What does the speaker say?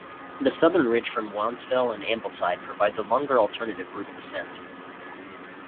The southern ridge from Wansfell and Ambleside provides a longer alternative route of ascent.